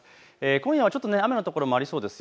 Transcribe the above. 今夜はちょっと雨の所もありそうです。